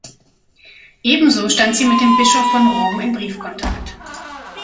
Ebenso stand sie mit dem Bischof von Rom in Briefkontakt.